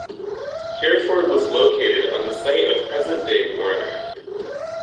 Hereford was located on the site of present-day Warner.